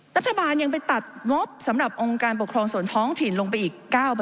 รัฐบาลยังไปตัดงบสำหรับองค์การปกครองส่วนท้องถิ่นลงไปอีก๙